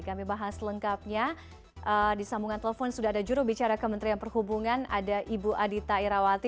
kami bahas lengkapnya di sambungan telepon sudah ada jurubicara kementerian perhubungan ada ibu adita irawati